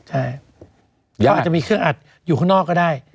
ใช่เขาอาจจะมีเครื่องอัดอยู่ข้างนอกก็ได้